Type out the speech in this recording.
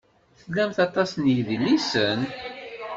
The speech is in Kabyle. Tlamt aṭas n yidlisen.